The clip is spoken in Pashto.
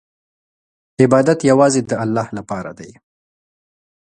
عبادت یوازې د الله لپاره دی.